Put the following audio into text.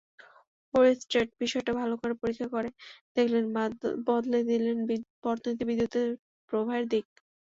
Oersted বিষয়টা ভালো করে পরীক্ষা করে দেখলেন, বদলে দিলেন বর্তনীতে বিদ্যুৎ–প্রবাহের দিক।